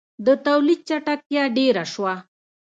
• د تولید چټکتیا ډېره شوه.